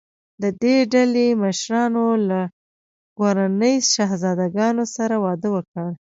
د دې ډلې مشرانو له ګوراني شهزادګانو سره واده وکړ.